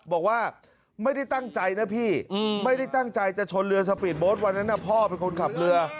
บอกว่าไม่ได้ตั้งใจนะพี่ไม่ได้ตั้งใจจะชนเรือสปีดโบ๊ทวันนั้นพ่อเป็นคนขับเรือ